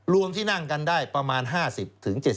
รวมที่นั่งกันได้ประมาณ๕๐๗๐